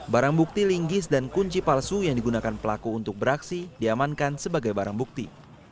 barang bukti linggis dan kunci palsu yang digunakan pelaku untuk beraksi diamankan sebagai barang bukti